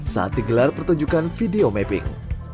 saat digelar pertunjukan video mapping